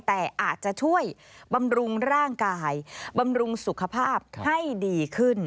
แต่อาจจะช่วยบำรุงร่างกายบำรุงสุขภาพให้ดีขึ้น